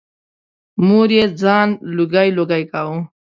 مور یې ځان لوګی لوګی کاوه.